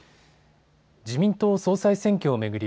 自民党総裁選挙を巡り